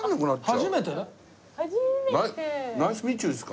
初めて。